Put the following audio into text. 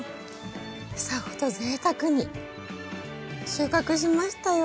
房ごとぜいたくに収穫しましたよ。